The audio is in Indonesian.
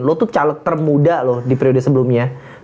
lo tuh caleg termuda loh di periode sebelumnya